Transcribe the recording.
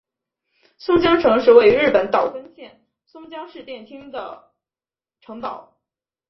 松江城是位于日本岛根县松江市殿町的城堡。